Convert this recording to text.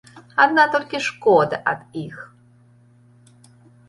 Адна толькі шкода ад іх.